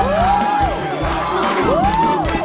เรียบร้องได้